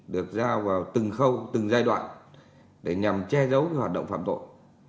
được giao vào từng khâu từng giai đoạn để nhằm che giấu hoạt động phạm tội